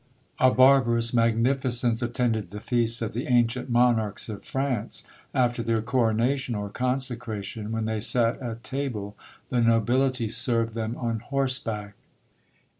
A barbarous magnificence attended the feasts of the ancient monarchs of France. After their coronation or consecration, when they sat at table, the nobility served them on horseback.